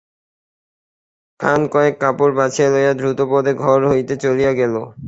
খানকয়েক কাপড় বাছিয়া লইয়া দ্রুতপদে ঘর হইতে চলিয়া গেল।